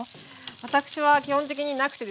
私は基本的になくてですね。